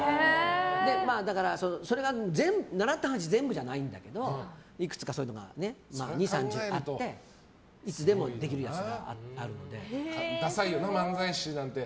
だから、習った話全部じゃないんだけどいくつかそういうのが２０３０あってダサいよな、漫才師なんて。